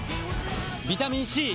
ビタミン Ｃ！